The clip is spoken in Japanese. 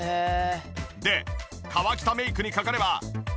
で河北メイクにかかれば。